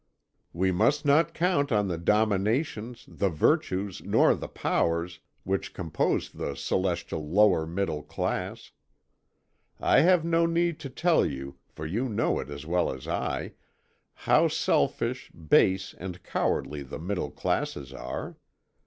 "We must not count on the Dominations, the Virtues, nor the Powers, which compose the celestial lower middle class. I have no need to tell you, for you know it as well as I, how selfish, base, and cowardly the middle classes are.